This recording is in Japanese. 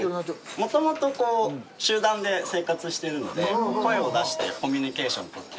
もともと集団で生活してるので声を出してコミュニケーション取って。